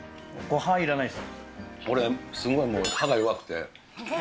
これ、俺、すごいもう、歯が弱くて。